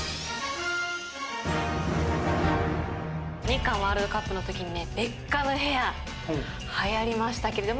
日韓ワールドカップのときにベッカムヘアはやりましたけど。